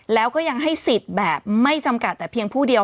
แล้วก็ยังให้สิทธิ์แบบไม่จำกัดแต่เพียงผู้เดียว